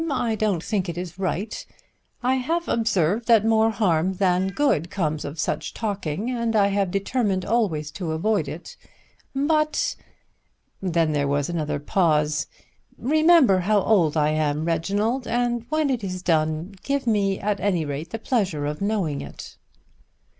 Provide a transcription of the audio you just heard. I don't think it is right. I have observed that more harm than good comes of such talking, and I have determined always to avoid it. But ." Then there was another pause. "Remember how old I am, Reginald, and when it is to be done give me at any rate the pleasure of knowing it."